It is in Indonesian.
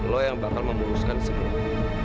lu yang bakal memuruskan semua